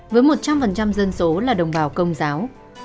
với một trăm linh dân số là đồng bào công giáo